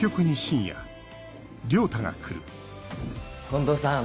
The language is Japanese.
近藤さん